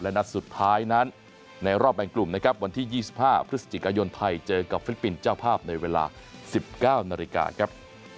นัดสุดท้ายนั้นในรอบแบ่งกลุ่มนะครับวันที่๒๕พฤศจิกายนไทยเจอกับฟิลิปปินส์เจ้าภาพในเวลา๑๙นาฬิกาครับ